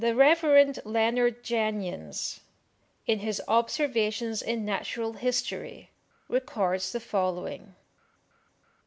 The Rev. Leonard Jenyns, in his "Observations in Natural History," records the following.